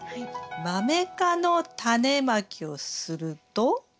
マメ科のタネまきをすると？